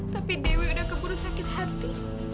tapi dewi udah keburu sakit hati